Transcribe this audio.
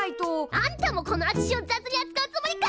あんたもこのあちしを雑にあつかうつもりか！？